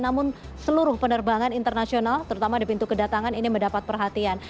namun seluruh penerbangan internasional terutama di pintu kedatangan ini mendapat perhatian